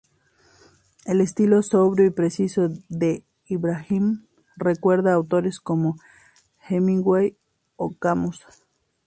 El estilo sobrio y preciso de Ibrahim recuerda a autores como Hemingway o Camus.